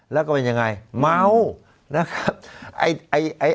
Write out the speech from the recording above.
แล้วก็เป็นยังไงเมานะครับ